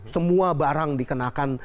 semua barang dikenakan